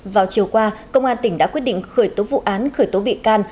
vào chiều qua công an tỉnh đã quyết định khởi tố vụ án khởi tố bị can